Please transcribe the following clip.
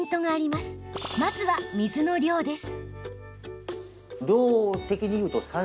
まずは水の量です。